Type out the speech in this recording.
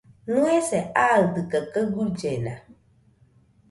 ¿Nɨese aɨdɨkaɨ kaɨ guillena?